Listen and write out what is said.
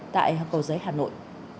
tại hồ cầu giới hà nội